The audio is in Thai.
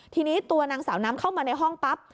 ทีนี้ตัวนางสาวน้ำเข้ามาในห้องปั๊บ